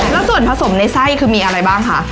แล้วส่วนผสมในไส้คือมีอะไรบ้างคะ